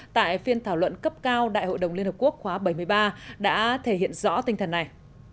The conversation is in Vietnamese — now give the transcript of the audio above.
tại phiên thảo luận cấp cao đại hội đồng liên hợp quốc khóa bảy mươi ba đã thể hiện rõ tinh thần này